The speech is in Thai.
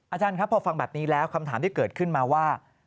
อาจารย์ครับพอฟังแบบนี้แล้วคำถามที่เกิดขึ้นมาว่า